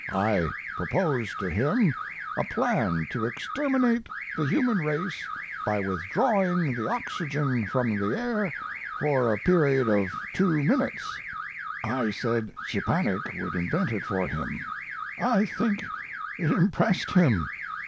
I proposed to him a plan to exterminate the human race by withdrawing the oxygen from the air for a period of two minutes. I said Szczepanik would invent it for him. I think it impressed him.